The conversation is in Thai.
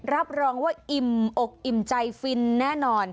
รับรองว่าอิ่มอกอิ่มใจฟินแน่นอน